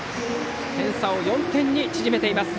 点差を４点に縮めています。